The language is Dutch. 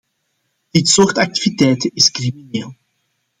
Dit soort activiteiten is crimineel.